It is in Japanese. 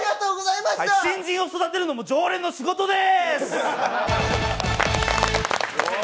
新人を育てるのも常連の仕事です！